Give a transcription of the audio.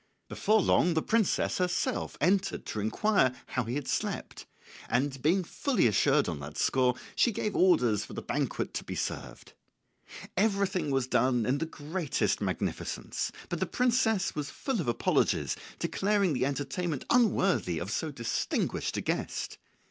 Before long the princess herself entered to inquire how he had slept, and being fully assured on that score, she gave orders for the banquet to be served. Everything was done in the greatest magnificence, but the princess was full of apologies, declaring the entertainment unworthy of so distinguished a guest.